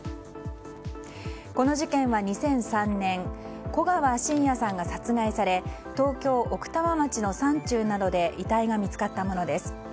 この事件は２００３年古川信也さんが殺害され東京・奥多摩町の山中などで遺体が見つかったものです。